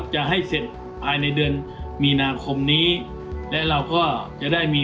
จะให้เสร็จภายในเดือนมีนาคมนี้และเราก็จะได้มี